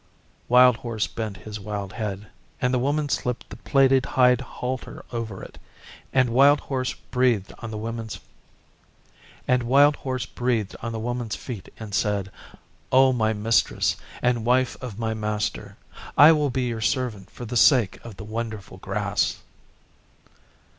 Wild Horse bent his wild head, and the Woman slipped the plaited hide halter over it, and Wild Horse breathed on the Woman's feet and said, 'O my Mistress, and Wife of my Master, I will be your servant for the sake of the wonderful grass.